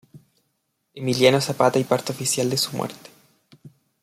Emiliano Zapata y parte oficial de su muerte".